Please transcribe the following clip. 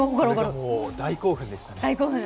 大興奮でしたね。